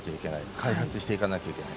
開発しなきゃいけない。